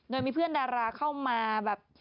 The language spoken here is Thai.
โดยมีเพื่อนดาราเข้ามาแบบ